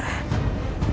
aku mau tidur